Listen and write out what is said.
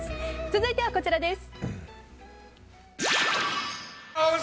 続いてはこちらです。